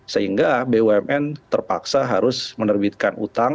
sehingga bumn terpaksa harus menerbitkan utang